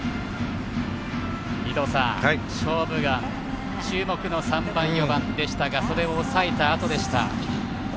伊東さん、「勝負眼」注目の３番、４番でしたがそれを抑えたあとでした。